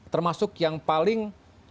termasuk yang paling